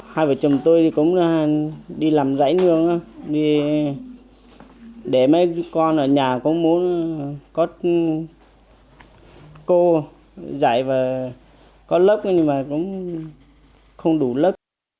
hai vợ chồng tôi cũng đi làm giải nương để mấy con ở nhà cũng muốn có cô giải và có lớp nhưng mà cũng không đủ lớp